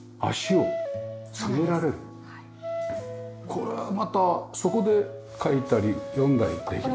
これはまたそこで書いたり読んだりできますね。